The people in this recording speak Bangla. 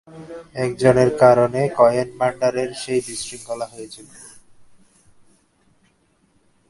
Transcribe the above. একজনের কারণে কয়েন ভান্ডারের সেই বিশৃংখলা হয়েছিল।